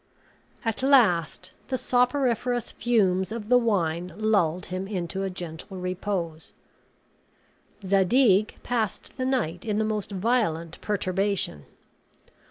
At last the soporiferous fumes of the wine lulled him into a gentle repose. Zadig passed the night in the most violent perturbation.